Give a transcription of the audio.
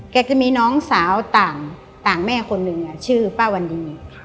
แกก็มีน้องสาวต่างแม่คนหนึ่งชื่อป้าวันดี